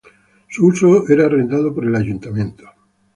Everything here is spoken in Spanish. Su uso era arrendado por el Ayuntamiento.